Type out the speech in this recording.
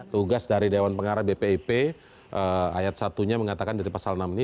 tugas dari dewan pengarah bpip ayat satunya mengatakan dari pasal enam ini